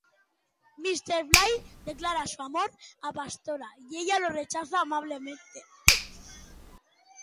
Míster Blay declara su amor a Pastora y ella lo rechaza amablemente.